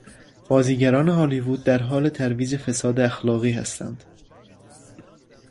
بازیگران هالیوود در حال ترویج فساد اخلاقی هستند